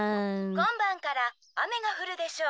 「こんばんからあめがふるでしょう」。